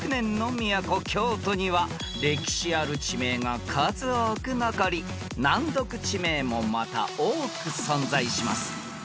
［には歴史ある地名が数多く残り難読地名もまた多く存在します］